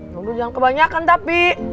tunggu jangan kebanyakan tapi